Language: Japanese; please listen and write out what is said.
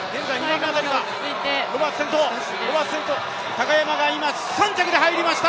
高山が今、３着で入りました！